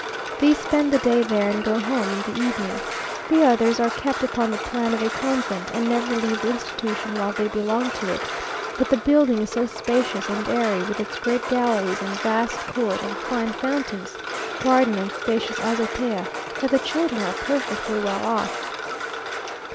These spend the day there, and go home in the evening. The others are kept upon the plan of a convent, and never leave the institution while they belong to it; but the building is so spacious and airy, with its great galleries, and vast court and fine fountains, garden and spacious azotea, that the children are perfectly well off.